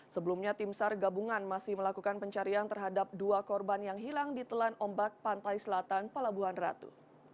sebelumnya tim sar gabungan masih melakukan pencarian terhadap dua korban yang hilang di telan ombak pantai selatan pelabuhan ratu